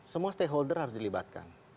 semua stakeholder harus dilibatkan